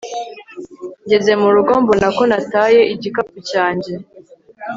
Ngeze mu rugo mbona ko nataye igikapu cyanjye